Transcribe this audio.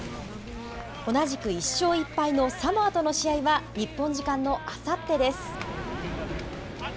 同じく１勝１敗のサモアとの試合は、日本時間のあさってです。